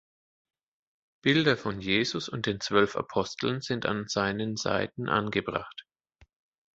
Bilder von Jesus und den zwölf Aposteln sind an seinen Seiten angebracht.